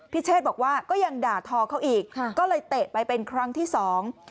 เชษบอกว่าก็ยังด่าทอเขาอีกค่ะก็เลยเตะไปเป็นครั้งที่สอง